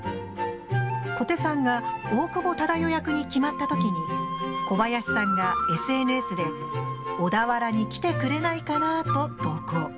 小手さんが大久保忠世役に決まったときに小林さんがＳＮＳで小田原に来てくれないかなぁと投稿。